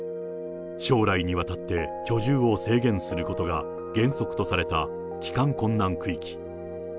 将来にわたって居住を制限することが原則とされた帰還困難区域。